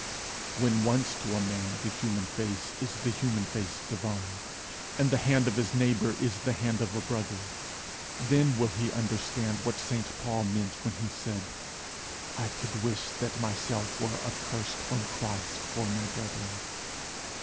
When once to a man the human face is the human face divine, and the hand of his neighbour is the hand of a brother, then will he understand what St Paul meant when he said, "I could wish that myself were accursed from Christ for my brethren."